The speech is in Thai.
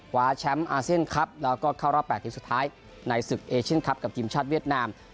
คว้าแชมป์อาเซียนคลับแล้วก็เข้ารอบ๘ทีมสุดท้ายในศึกเอเชียนคลับกับทีมชาติเวียดนาม